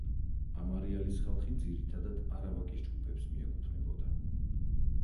ამ არეალის ხალხი ძირითადად არავაკის ჯგუფებს მიეკუთვნებოდა.